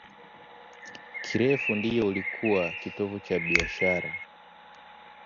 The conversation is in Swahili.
kirefu ndio ulikuwa kitovu cha biashara